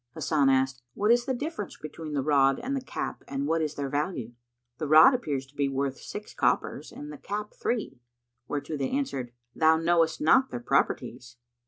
Hasan asked, "What is the difference between the rod and the cap and what is their value? The rod appears to be worth six coppers[FN#163] and the cap three;" whereto they answered, "Thou knowest not their properties."